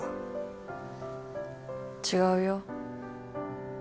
違うよ。